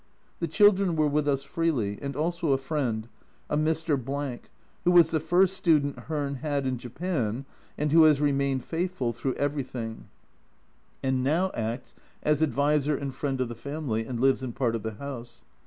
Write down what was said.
The children were with us freely, and also a friend, a Mr. , who was the first student Hearn had in Japan, and who has remained faithful through every thing, and now acts as adviser and friend of the family, and lives in part of the house.